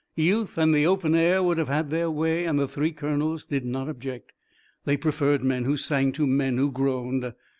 Youth and the open air would have their way and the three colonels did not object. They preferred men who sang to men who groaned.